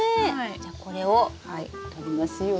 じゃこれをとりますよ。